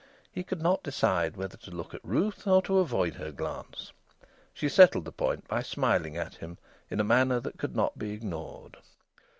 He could not decide whether to look at Ruth or to avoid her glance. She settled the point by smiling at him in a manner that could not be ignored.